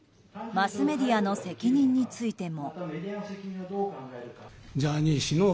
マスメディアの責任についても。